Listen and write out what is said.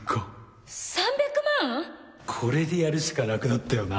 これでやるしかなくなったよな